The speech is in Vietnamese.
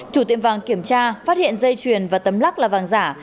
chủ tiệm vàng kiểm tra phát hiện dây chuyền và tấm lắc là vàng giả